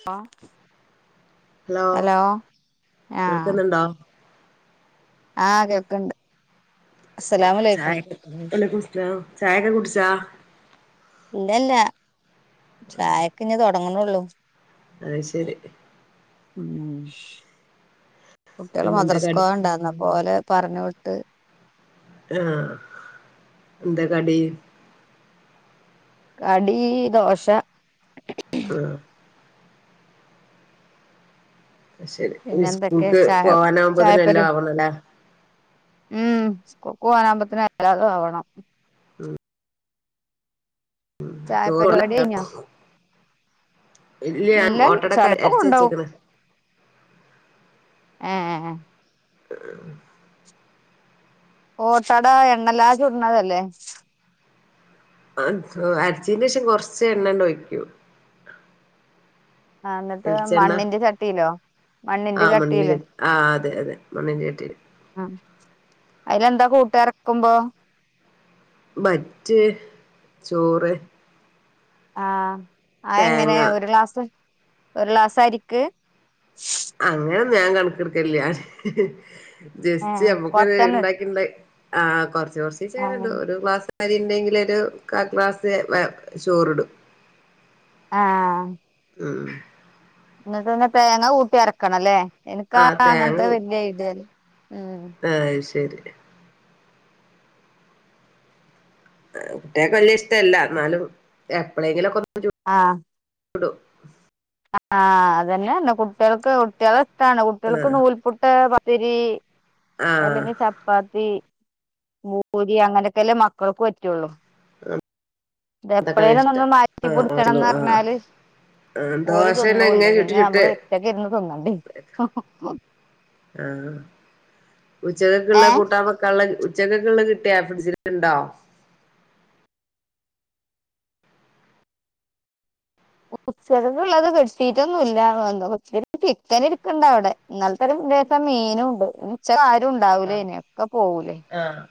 ഹ hello ആ കേൾക്കുന്നുണ്ടോ ആ കേക്കണ്ട് ചായൊക്കെ കുടിചാ ചായൊക്കെ കുടിച്ചാ ഇല്ലല്ല ചായക്ക്ഞി തൊടങ്ങ്ന്നെള്ളു അത് ശരി ഉം കുട്ട്യള് പിന്നെ എന്താ കടി മദ്രസ്കോണ്ടാന്ന് അപ്പോലെ പറഞ്ഞോട്ട് ആ എന്താ കടി കടീ ദോശ ആ ശരി ഇ പിന്നെ എന്തൊക്കെ സ്കൂൾക്ക് ചായ പോവാനാവുമ്പോതിന് എല്ലാം ചായപ്പരും ആവണല്ലേ? ഉം സ്കൂൾക്ക് പോവാനാവുമത്തിന് എല്ലാതും ആവണം. ചായ ചോറ് പരിപാടി കൈഞ്ഞോ? ഞാൻ ഇല്ല ഓട്ടടൊക്കെ ചെലപ്പോ അരച്ച് കൊണ്ടോവും. വെച്ചേക്കണ് ഏ ഏ ഓട്ടട എണ്ണല്ലാതെ ചുട്ണതല്ലേ? ആ അരച്ചീന്റെ ശേഷം കൊറച്ച് എണ്ണണ് ഒഴിക്കും. ആഹ് എന്നിട്ട് വെളിച്ചെണ്ണ മണ്ണിന്റെ ചട്ടിയിലോ മണ്ണിന്റെ ആമണ്ണിന്റെ ചട്ടിയില് ചട്ടീ ആ അതെ അതെ മണ്ണിന്റെറെ ചട്ടീൽ. ആ അയിലെന്താ കൂട്ട എറക്കുമ്പോ? ബറ്റ് ചോറ്. ആ അയെങ്ങനെ തേങ്ങ ഒരു ഗ്ലാസ് ഒരു ഗ്ലാസ് അരിക്ക്. അങ്ങനെ ഞാൻ കണക്കെടുക്കലില്ല. ജസ്റ്റ് നമ്മുക്കൊര് കൊറച്ചെണ്ണ എടു ഇണ്ടാക്കി ണ്ടാക്കി ആ കൊറച്ച് കൊറച്ചീച്ചങ്ങനെ ഇടും ഒരു ഗ്ലാ [unintelligible] കാൽഗ്ലാസ് ചോറിടും. ആ മ് [unintelligible] തേങ്ങ കൂട്ടി അരക്കണം ല്ലേ ഇനിക്കാ ആഹ് തേങ്ങ അങ്ങനത്തെ വല്ല്യ ഐഡ്യല്ല മ് ആഹ് ശരി. കുട്ട്യാക്ക് വല്യ ഇഷ്ടല്ല ന്നാലും എപ്പളേങ്കിലൊക്കെ ആ ടു ടു ആ അതന്നെ പറഞ്ഞെ കുട്ടികൾക്ക് കുട്ടികളെഷ്ടാണ് കുട്ട്യാൾക്ക് ആഹ് നൂൽപുട്ട് പ പത്തിരി ആഹ് അല്ലെങ്കിൽ ചപ്പാത്തി. ഭൂരി അങ്ങനെയൊക്കെല്ലേ മക്കൾക്ക് പറ്റുള്ളു. അങ്ങൻത്തൊക്കെ ഇതെപ്പളേ ഇഷ്ടം ലൊന്ന്മാറ്റി ആഹ് പുടിച്ചണംന്ന് ആഹ് പറഞ്ഞാല്. ആഹ് ഓര് ദോശന്നെ തിന്നൂല ഇങ്ങനെ ചുട്ട് പിന്നെ ചുട്ട് നമ്മള് ഒറ്റക്കിരുന്ന് തിന്നണ്ടേ ആ ഉച്ച കെക്ക് ളള ഏഹ് കൂട്ടാൻ വെക്കാള്ള ഉച്ചക ക്ളത് കിട്ടിയ ഫ്രിഡ്ജില്ണ്ടാ? ഉച്ചക ക്ള്ളത് ബെഡ്ഷീറ്റൊന്നുല്ല ചിക്കനിരിക്കിണ്ടവിടെ ഇന്നലെ ത്തൊരു ലേസം മീനുണ്ട് ആഹ് ഉച്ചക്കാരൂണ്ടാവൂലയ്ന് ഒക്കെ പോവൂലെ? ആഹ്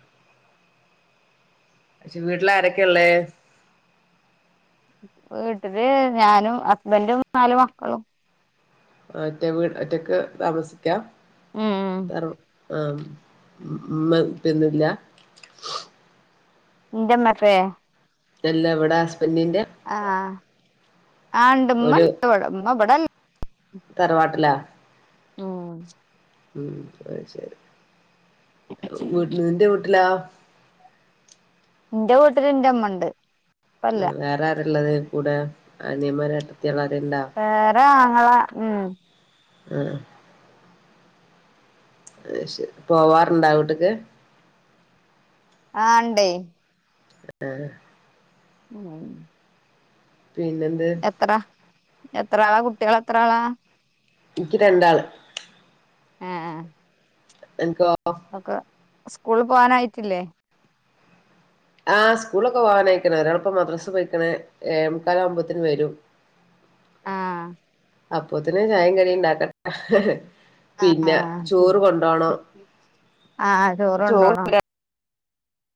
പക്ഷെ വീട്ടില ആരൊക്കേള്ളേ? വീട്ടില് ഞാനും ഹസ്ബൻറും നാല മക്കളും. ഒറ്റ വീട് ഒറ്റക്ക് താമസിക്കാ ഉം വേറെ ആ ഉമ്മേ ഉപ്പേന്നുല്ലാ? ന്റെമ്മേ പ്പേ? ഇല്ല ഇവിടെ ഹസ്ബന്റിന്റെ. ആണ്ടമ്മ ണ്ടിവിടെ ഇമ്മ ഇവി തറവാട്ടിലാ? ആ ആ അ ത്ശരി നിന്റെ വീട്ടിലാ? ന്റെ വീട്ടില് ന്റെമ്മണ്ട്. വേറെ ആരാള്ളത് കൂടെ അനിയൻമാരോ ഏട്ടത്തിയാളോ ആരേലുണ്ടാ? അ ഉം. ഉം. അത്ശരി പോവാറ്ണ്ടാ വീട്ട്ക്ക്? ആ ണ്ടെയ്. ഏ ഉം പിന്നെന്ത് എത്ര എത്ര ആളാ കുട്ടികൾ എത്ര ആളാ? നിക്ക് രണ്ടാള് ആഹ അനക്കോ ഒക്കെ സ്കൂള് പോകാനായിട്ടില്ലേ? ആ് സ്കൂളൊക്കെ പോവാനായിക്കണ ഒരാളപ്പ മദ്രസ പോയിക്കണ ഏഴെമുക്കാലവുമ്പോന് വരും ആഹ അപ്പോത്തിന് ചായ കടി ഉണ്ടാക്കട്ട ഹ ഹ പിന്നെ ആഹ് ചോറ് കൊണ്ടോണം ആഹ് ചോറ് കൊണ്ടോണോ ഒരാ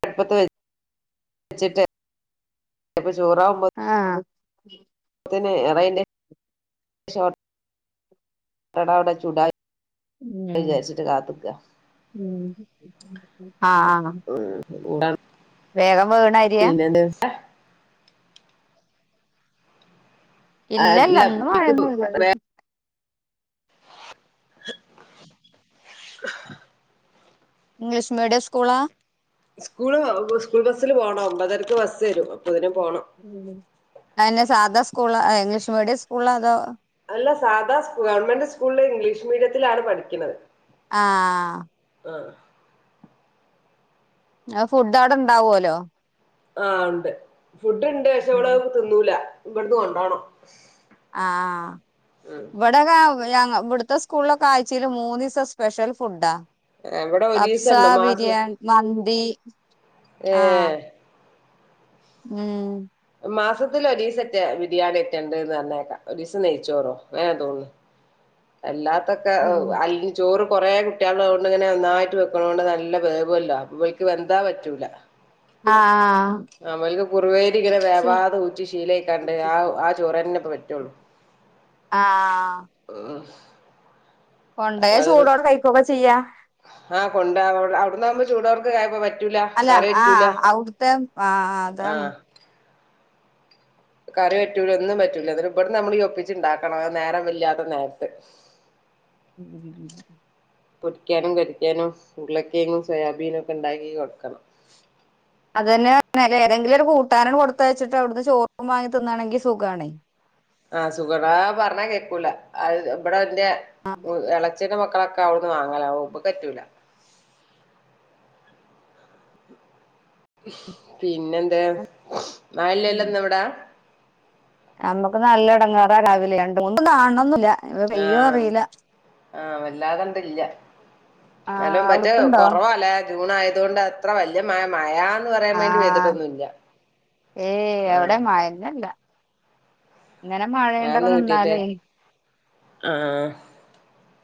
അടുപ്പത്ത് വെച്ചിട്ട്പ്പ ചോറാവുമ്പോ [unintelligible] തന്നെ ഉ ഉ ആഹ [unintelligible] വേഗം വേണ അരിയാ പിന്നെന്ത് ഇല്ലല്ല അല്ല ഇന്നും ഇക്ക് മഴന്നൂല്ല. വേ ഇംഗ്ലീഷ് മീഡിയം സ്കൂളാ? സ്കൂള് സ്കൂൾ ബസ്സില് പോണം ഒമ്പതരക്ക് ബസ്സ് വരും അപ്പതിനു പോണം അതുതന്നെ സാദാ സ്കൂൾ ഇംഗ്ലീഷ് മീഡിയം സ്കൂളാ അതോ, അല്ല സാദാ സ്കൂളാ ഗവണ്മെന്റ് സ്കൂളില് ഇംഗ്ലീഷ് മീഡിയത്തിലാണ് പഠിക്കണത്. ആ.. ആ ആ ഫുഡ് അവിടെ ഇണ്ടാവോലോ..? ആഹ ഉണ്ട് ഫുഡ് ഇണ്ട് പക്ഷേ ഓൾ തിന്നൂല ഇവിടുന്ന് കൊണ്ടോണം. ആഹ ഉം ഇവിടെ - ഇവിടുത്തെ സ്കൂളിലൊക്കെ ആഴ്ചേല് മൂന്നീസം സ്പെഷ്യൽ ഫുഡാ. ഇവിടെ കഫ്സ, ഒരീസണ്ട് മാസ ബിരിയാണി, മന്തി, ആഹ് ഏഹ് ഉം മാസത്തിലോരീ സറ്റെ ബിരിയാണി ഏറ്റേണ്ടന്ന് പറഞ്ഞേക്കാം ഒരു ദീസം നെയിച്ചോറോ ങ്ങനെ തോന്നുന്നു. അല്ലാത്തൊക്കെ അല്ല ചോറ് കുറെേ കുട്ടികളോള്ളോണ്ട് തൊണ്ട് ഇങ്ങനെ നന്നായിട്ട് വെക്കണതൊണ്ട് നല്ല വേവല്ലോ വെന്താ പറ്റൂല ആഹ ഇവല്ക്ക് കുറവരി ഇങ്ങനെ വേവാതെ ഊറ്റി ശീലയ കാണ്ട് ആ ആ ചോറ്ന്നെപ്പ പറ്റുള്ളു. ആഹ ഓഹ് കൊണ്ടേയ ചൂടോടെ കഴിക്കൊക്കെ ചെയ്യാ ആഹ് കൊണ്ട അവിടന്നാകുമ്പോ ചൂടോർക്ക് [unintelligible] പറ്റൂല അല്ല കറിപറ്റൂല ആഹ് അവിടുത്തെ ആഹ് അതാണ് ആഹ കറി പറ്റൂല ഒന്നും പറ്റൂല അതിന് ഇവിടുന്ന് നമ്മള് യ ഒപ്പിച്ച് ഉണ്ടാക്കണം അത് നേരം ഇല്ലാത്ത നേരത്ത് [unintelligible] പൊരിക്കാനും കരിക്കാനും ഉരുളക്കെങ്ങും സോയാബീനും ഒക്കെ ഉണ്ടാക്കി കൊടുക്കണം അതെന്നെ ഏതെങ്കിലും ഒരു കൂട്ടാൻ കൊടുത്തയച്ചിട്ട് അവിടുന്ന് ചോറും വാങ്ങി തിന്നാണെങ്കിൽ സുഖണേ. ആഹ സുഖണ പറഞ്ഞാ കേക്കൂല അത് ഇവിടെ എന്റെ ഇള- ചേച്ചിടെ മക്കളൊക്കെ അവിടുന്ന് വാങ്ങല ഇപ്പ പറ്റൂല പിന്നെന്താ മഴല്ല ല്ല അവിടാ നമ്മക്ക് നല്ല ഇടങ്ങാറാ രാവിലെ രണ്ട കാണണന്നില്ല ആഹ ആഹ വല്ലാതണ്ടില്ല ആഹ് എന്നാലും മറ്റേ അവിടുക്കുണ്ടോ കൊറവാലെ ജൂൺ ആയതോണ്ട് അത്ര വല്യ മഴ മഴന്ന് മഴന്ന് പറയാൻ വേണ്ടി ആഹ് പെയ്തിട്ടൊന്നുമില്ല ഏയ് എവിടെ ആ- മഴന്നല്ല ഇങ്ങനെ മഴയൊണ്ടക്കെ മഴൊന്നും കിട്ടീട്ട് നിന്നാലേ ആഹ്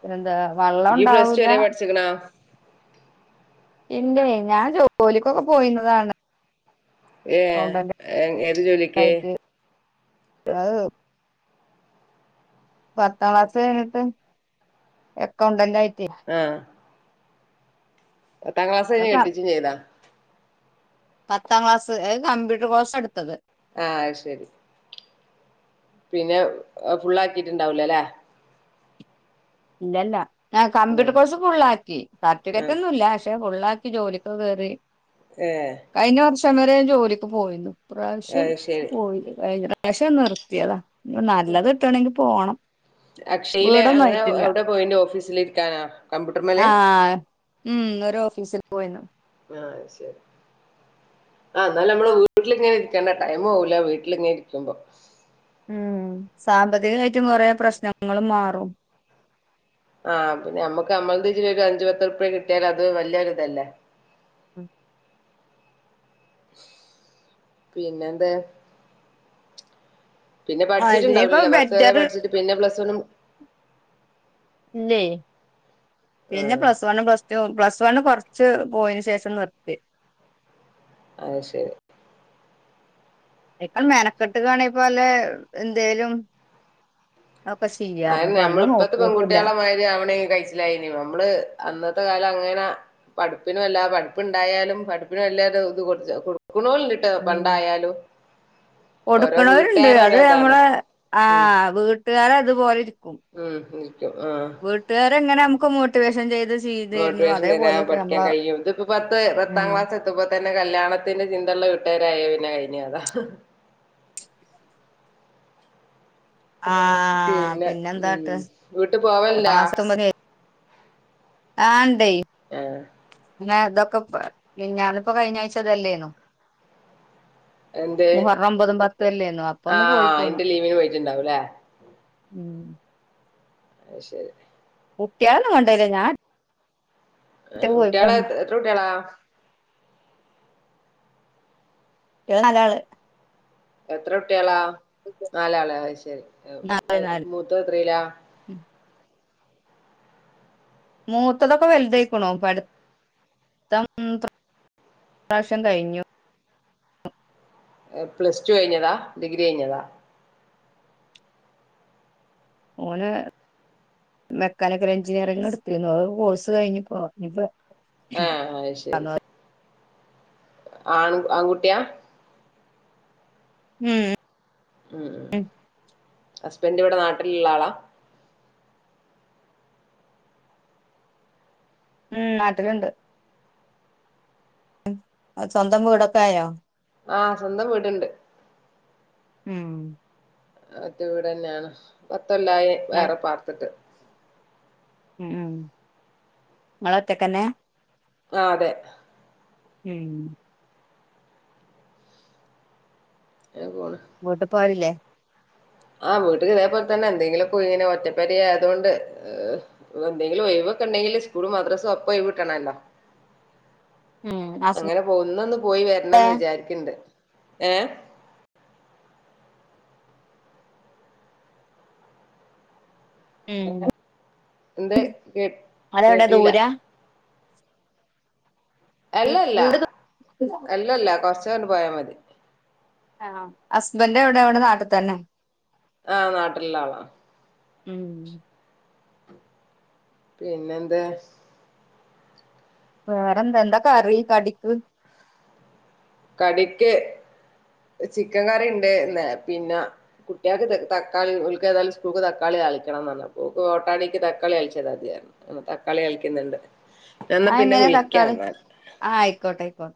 പിന്നെന്താ വെള്ളം ഇയ്യ് പ്ലസ് ടു ഉണ്ടാവൂല വരെ പഠിച്ചിക്കണോ ഇല്ലേ ഞാൻ ജോലിക്കൊക്കെ പോയിരുന്നതാണ് ഏ ഏ ഏത് ജോലിക്ക് അത് പത്താം ക്ലാസ്സ് കഴിഞ്ഞിട്ട് അ ക്കൗണ്ടന്റ് ആയി ആ എട്ടാം ക്ലാസ് കഴിഞ്ഞ് അ കെട്ടിച്ചും ചെയ്താ പത്താം ക്ലാസ് കമ്പ്യൂട്ടർ കോഴ്സ് എടുത്തത് ആ ശരി പിന്നെ ഫുള്ളാക്കിയിട്ടുണ്ടാവില്ലാ അല്ലേ ഇല്ലല്ല ആ കമ്പ്യൂട്ടർ ഉം കോഴ്സ് ഫുള്ളാക്കി സർട്ടിഫിക്കറ്റ് ആഹ് ഒന്നുല്ല പക്ഷെ ഫുള്ളാക്കി ജോലികൊക്കെ കേറി ഏ [unintelligible] ജോലിയ്ക്ക് പോയിരുന്നു. ഈ പ്രാവശ്യം അത് ശരി പോയില്ലാ. ഭയങ്ക കഴിഞ്ഞ പ്രാശ്യം നിർത്തിയതാ നല്ലത് കിട്ടുവാണെങ്കി പോണം അക്ഷയിലെ വീടൊന്നും അങ്ങനെ ആയിട്ടില്ല എവിടെ പോയിന്റെ ഓഫീസില് ഇരിക്കാനാ കമ്പ്യൂട്ടർ മേലെ- ആഹ് ഉം ഓര് ഓഫീസിൽ പോയിരുന്നു ആ ശരി ആഹ് എന്നാലും നമ്മള് വീട്ടിലിങ്ങനെ ഇരിക്കേണ്ട ടൈമ് പോവുല്ലേ വീട്ടിലിങ്ങനേ ഇരിക്കുമ്പോ ഉം സാമ്പത്തികവായിട്ടും കൊറെ പ്രശ്നങ്ങളും മാറും. ആഹ് പിന്നെ നമുക്ക് നമ്മടെ ഇതില് ഒരു അഞ്ചുപത്ത് റുപ്പിയ കിട്ടിയാൽ അത് വല്യയൊരു ഇതല്ലേ. ഉം പിന്നെയെന്താ? പിന്നെ അതിനേക്കാ പഠിച്ചിട്ടുണ്ടാവില്ലല്ലേ പത്ത് വരെ ബെറ്റർ പഠിച്ചിട്ട് പിന്നെ പ്ലസ് വണ്ണും. ഇല്ലേ പിന്നെ ആഹ് plus one plus two plus. One കൊറച്ച് പോയെശേഷം നിർത്തി. അത് ശരി. ഇപ്പൊ മെനക്കെട്ട് കാണൂ ഇപ്പോ അല്ലെ എന്തേലും. ഒക്കെ ചെയ്യാർന്നു അയിന് ഇപ്പ നമ്മള് അന്ന് ഇപ്പത്തെ നോക്കിയതുല്ല പെൺകുട്ടികളെ മാതിരി ആവണേ [unintelligible] നമ്മള് അന്നത്തെ കാലം. അങ്ങനെ പഠിപ്പിനും എല്ലാ പഠിപ്പുണ്ടായാലും പഠിപ്പിനും വലിയത് ഇത് കൊടു കൊടുക്കുന്നവരുണ്ട് പണ്ടായാലും. ഓരോ കൊടുക്കണോവരുണ്ട് വീട്ടുകാരെ അത് ഓരോ ഇതാണ് നമ്മടെ ഉം ആഹ് വീട്ടുകാര് അതുപോലെ. ക്കും ഉം ഇരിക്കും ആഹ് വീട്ടുകാരെ അങ്ങനെ നമുക്ക് മോട്ടിവേഷൻ ചെയ്തു. മോട്ടിവേഷൻ തരാൻ പഠിക്കാൻ കഴിയും, ഇതൊക്കെ പത്ത് പത്താം ഉം ക്ലാസ് എത്തുമ്പോൾ. തന്നെ കല്യാണത്തിന്റെ ചിന്തക്കുള്ള വീട്ടുകാരായി പിന്നെ കഴിഞ്ഞു അതാ. ആഹ് പിന്നെ എന്താട്ട്. വീട്ട് പോവലില്ല [unintelligible] ആഹ് ഉണ്ട്. ആഹ് അന്ന് ഇതൊക്കെ ഇപ്പൊ ഞാനിപ്പോ കഴിഞ്ഞ ആഴ്ച ഇല്ലേന്നു. എന്ത് മുഹറം ഒമ്പതും പത്തും അല്ലായിരുന്നോ അപ്പൊയൊന്ന് പോയി ആഹ് പോന്നു. അയിന്റെ ലീവിന് പോയിട്ടുണ്ടാവുംല്ലേ ഉം അത് ശരി കുട്ടികളെയൊന്നും കൊണ്ടോയില്ല ഞാൻ. ഒറ്റക്ക് പോയി കുട്ടികളെ പോന്നു എത്ര കുട്ടികൾ? കുട്ട്യാള് നാലാള്. എത്ര കുട്ട്യാളാ? നാലാള് അയ് ശരി. മൂത്തോത്രീലാ? മൂത്തതൊക്കെ വൽതായിക്ക്ണു. പ ട്ത്തം ഇ പ്രാവശ്യം കഴിഞ്ഞു. പ്ലസ് ടു കഴിഞ്ഞതാ ഡിഗ്രി കഴിഞ്ഞതാ. ഓന് മെക്കാനിക്കൽ എഞ്ചിനീയറിങ് ഇട്ത്തീന്നു. അയ് കോഴ്സ് കഴിഞ്ഞുപ്പൊ ഇഞ്ഞ്പ്പൊ ഏഹ് അയ് ശരി. ആണ് ആൺകുട്ട്യാ? ഉം. ഉം ഹസ്ബൻഡ് ഇവടെ നാട്ടിലിള്ള ആളാ? ഉം നാട്ടിലണ്ട്. സ്വന്തം വീടൊക്കായോ? ആഹ് സ്വന്തം വീട്ണ്ട്. ഉം. ഒറ്റ വീടന്നേണ്. പത്തൊല്ലായി ഇങ്ങൾ വേറെ പാർത്ത്ട്ട്. ഉം ഉം ഇങ്ങള് ഒറ്റക്കന്നെ. ആഹ് അതെ. ഉം. അങ്ങനെ പോണ് വീട്ട് പോലില്ലേ? ആഹ് വീട്ട്ക്ക് ഇതേപോൽ തന്നെ എന്തെങ്കിലൊക്കെ ഇങ്ങനെ ഒറ്റപ്പെര ആയതോണ്ട് എന്തെങ്കിലും ഒയിവ് ഒക്കെ ഉണ്ടെങ്കില് സ്കൂളും മദ്രസേം ഒപ്പം ഒയിവ് കിട്ടണല്ലോ [inaudible] ഹസ് അങ്ങനെ പോണ് ഇന്ന് ഒന്ന് പോയി വരണന്ന് വിചാരിക്കണ്ട് ഏ ഉം എന്ത്‌ കേ അതെവിടെ കേട്ടില്ല ദൂരാ അല്ലല്ലാ വീട് ദൂരാ അല്ലല്ലാ കൊറച്ചങ്ങണ്ട് പോയ മതി ആ ഹസ്ബന്റ് എവിടെ ഇവിടെ നാട്ടിത്തന്നെ ആ നാട്ടിലിള്ള ആള ഉം പിന്നെന്താ വേറെന്താ എന്താ കറി കടിക്ക് കടിക്ക് ചിക്കൻ കറി ഇണ്ട് പിന്നെ കുട്ടികൾക്ക് തക്കാളി ഓല്ക്ക് ഏതായാലും സ്കൂൾക്ക് തക്കാളി താളിക്കണം അപ്പൊ ഓട്ടടെക്ക് തക്കാളി താളിച്ചതത് മതി പറഞ്ഞ് തക്കാളി താളിക്കിന്നിണ്ട് ന്ന ഞാൻ പിന്നെ അതെങ്ങനെ തക്കാളി വിളിക്കാന്നാൽ ആഹ് ആയിക്കോട്ടെ ആയിക്കോട്ടെ